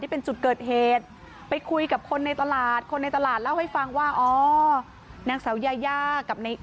ที่ไปห้ามตามในคลิปนั่นแหละ